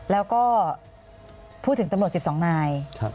แล้วก็พูดถึงตำรวจสิบสองนาย